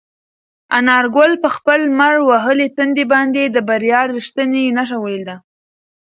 انارګل په خپل لمر وهلي تندي باندې د بریا رښتینې نښه ولیده.